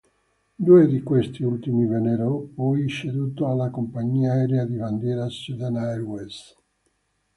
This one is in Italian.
Due di questi ultimi vennero poi ceduto alla compagnia aerea di bandiera Sudan Airways.